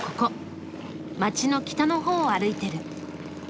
街の北のほうを歩いてる。